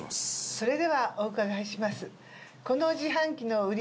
それではお伺いします。